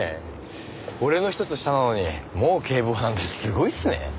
俺のひとつ下なのにもう警部補なんてすごいっすね。